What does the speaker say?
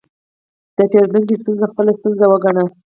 د پیرودونکي ستونزه خپله ستونزه وګڼه.